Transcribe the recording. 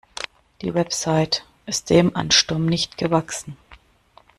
Die Website ist dem Ansturm nicht gewachsen.